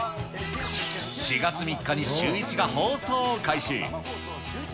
４月３日にシューイチが放送を開始。